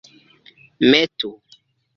metu